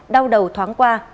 đau đầu thoáng qua